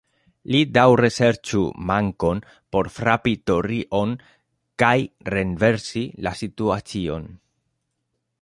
Li daŭre serĉu mankon por frapi "tori"-on, kaj renversi la situacion.